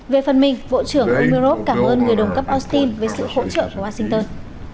về phần mình bộ trưởng umurov cảm ơn người đồng cấp austin với sự hỗ trợ của washington